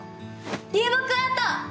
流木アート！